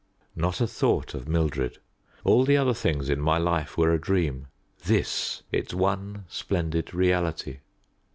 Not a thought of Mildred: all the other things in my life were a dream this, its one splendid reality.